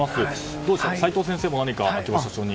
どうでしょう齋藤先生も何か秋葉社長に。